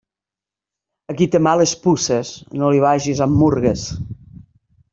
A qui té males puces, no li vagis amb murgues.